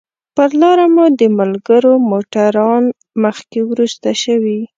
پر لاره مو د ملګرو موټران مخکې وروسته شوي.